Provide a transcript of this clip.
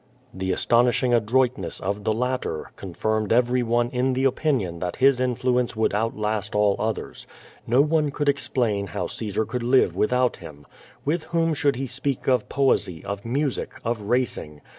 The astonishing adroitness of the latter confirmed every one in the opinion that his influence would outlast all others. Xo one could explain how Caesar could live without him. Witli whom should he speak of poesy, of music, of racing?